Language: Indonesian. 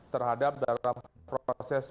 terhadap dalam proses